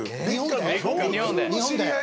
日本で。